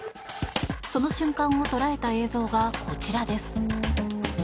その瞬間を捉えた映像がこちらです。